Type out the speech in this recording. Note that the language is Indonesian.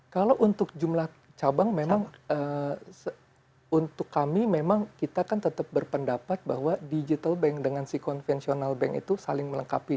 kalau untuk jumlah cabang memang untuk kami memang kita kan tetap berpendapat bahwa digital bank dengan si konvensional bank itu saling melengkapi